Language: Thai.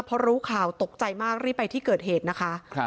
พอรู้ข่าวตกใจมากรีบไปที่เกิดเหตุนะคะ